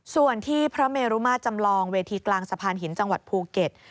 ส่วนที่พระเมรุมาจำลองเวทีกลางสะพานหินจังหวัดภูเก็ต